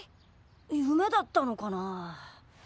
夢だったのかな？